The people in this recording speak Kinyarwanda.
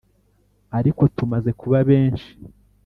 Ariko tumaze kuba benshi